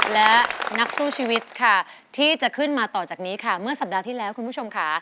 และนักสู้ชีวิตค่ะที่จะขึ้นมาต่อจากนี้ค่ะเมื่อสัปดาห์ที่แล้วคุณผู้ชมค่ะ